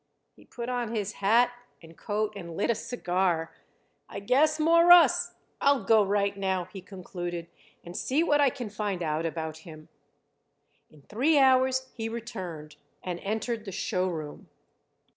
He put on his hat and coat and lit a cigar. "I guess, Mawruss, I'll go right now," he concluded, "and see what I can find out about him." In three hours he returned and entered the show room.